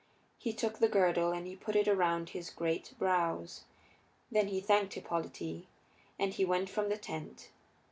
He took the girdle and he put it around his great brows; then he thanked Hippolyte and he went from the tent.